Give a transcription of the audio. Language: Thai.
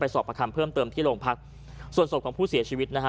สอบประคำเพิ่มเติมที่โรงพักส่วนศพของผู้เสียชีวิตนะฮะ